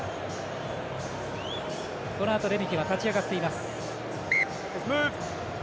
このあとレメキは立ち上がっています。